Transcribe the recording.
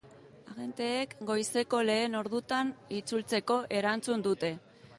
Agenteek goizeko lehen ordutan itzultzeko erantzun dute.